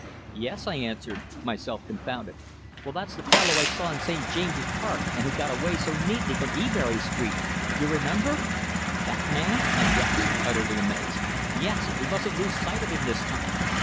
"Yes," I answered, myself confounded. "Well, that's the fellow I saw in St. James's Park, and who got away so neatly from Ebury Street you remember?" "That man!" I gasped, utterly amazed. "Yes. We mustn't lose sight of him this time.